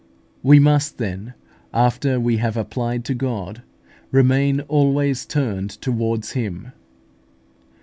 We must, then, after we have applied to God, remain always turned towards Him.